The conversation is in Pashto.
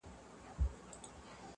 • پټ یې د زړه نڅا منلای نه سم -